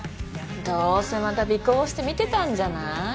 どうせまた尾行して見てたんじゃない？